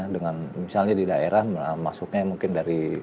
dengan misalnya di daerah masuknya mungkin dari